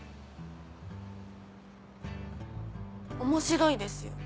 面白いですよ。